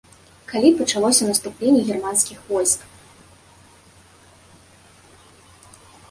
Калі пачалося наступленне германскіх войск.